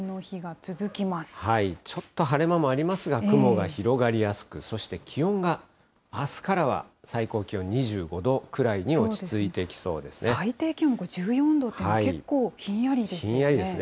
ちょっと晴れ間もありますが、雲が広がりやすく、そして気温があすからは最高気温２５度くらい最低気温これ、１４度って、ひんやりですね。